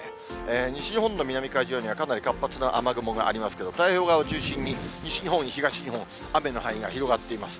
西日本の南海上にはかなり活発な雨雲がありますけれども、太平洋側を中心に、西日本、東日本、雨の範囲が広がっています。